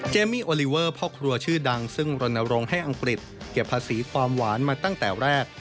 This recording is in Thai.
มี่โอลิเวอร์พ่อครัวชื่อดังซึ่งรณรงค์ให้อังกฤษเก็บภาษีความหวานมาตั้งแต่แรก